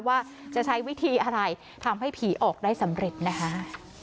ว่าจะใช้วิธีอะไรทำให้ผีออกได้สำเร็จนะคะ